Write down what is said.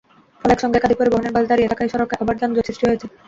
ফলে একসঙ্গে একাধিক পরিবহনের বাস দাঁড়িয়ে থাকায় সড়কে আবার যানজট সৃষ্টি হচ্ছে।